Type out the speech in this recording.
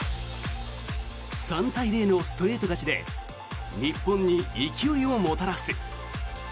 ３対０のストレート勝ちで日本に勢いをもたらす。